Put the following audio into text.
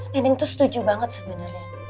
ninding tuh setuju banget sebenarnya